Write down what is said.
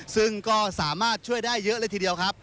ซึ่งก็สามารถช่วยได้เยอะเลยทีเดียวครับ